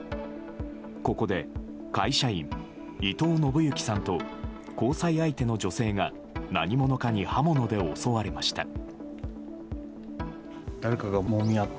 ここで、会社員伊藤信幸さんと交際相手の女性が何者かに刃物で襲われました。